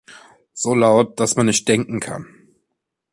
So laut, dass man nicht denken kann.